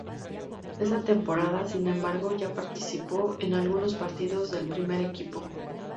Esa temporada, sin embargo, ya participó en algunos partidos del primer equipo.